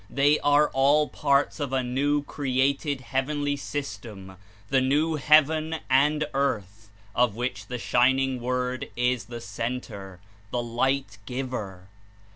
They are all parts of a new created heavenly system, the "new heaven and earth," of which the shining Word is the Center, the Light giv^er.